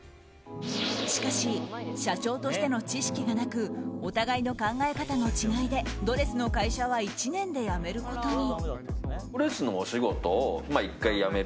しかし、社長としての知識がなくお互いの考え方の違いでドレスの会社は１年で辞めることに。